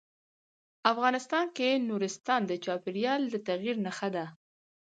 افغانستان کې نورستان د چاپېریال د تغیر نښه ده.